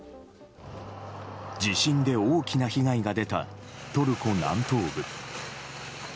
地震で大きな被害が出たトルコ南東部。